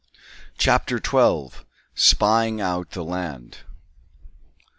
CHAPTER TWELVE. SPYING OUT THE LAND.